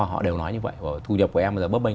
họ đều nói như vậy thu nhập của em bây giờ bấp bênh